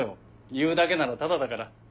言うだけならタダだから。